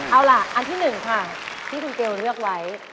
เอาล่ะอันที่๑ค่ะที่คุณเกลเลือกไว้